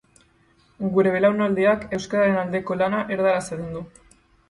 Gure belaunaldiak euskararen aldeko lana erdaraz egin du.